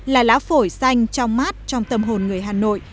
là lá phổi xanh trong mát trong tâm hồn người hà nội